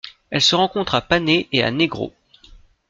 Elle se rencontre à Panay et à Negros.